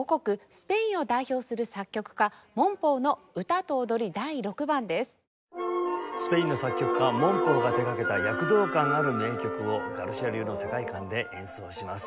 スペインの作曲家モンポウが手掛けた躍動感ある名曲をガルシア流の世界観で演奏します。